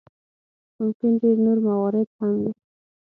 ممکن ډېر نور موارد هم وي.